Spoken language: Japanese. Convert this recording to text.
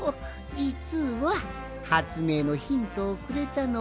じつははつめいのヒントをくれたのはあのこたちでの。